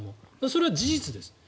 それは事実です。